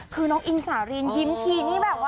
คือน้องอิงสารินยิ้มที